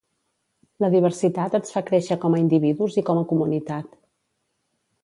La diversitat ens fa créixer com a individus i com a comunitat.